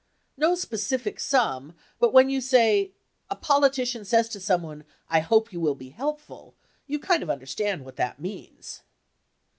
No specific sum, but when you say, "a politician says to someone, I hope you will be helpful," you kind of understand what that means.